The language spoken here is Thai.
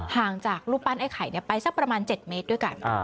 ห่างจากรูปปั้นไอ้ไข่ไปสักประมาณ๗เมตรด้วยกัน